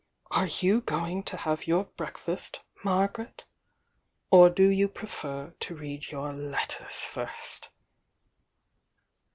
Are you going to have your break fast, Margaret? — or do you prefer to read your let ters first?"